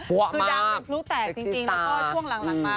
คือดังสิบลูกแตกจริงแล้วก็ช่วงหลังมาก